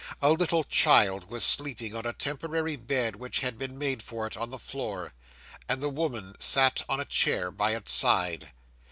A little child was sleeping on a temporary bed which had been made for it on the floor, and the woman sat on a chair by its side.